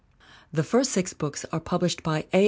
The first six books are published by A.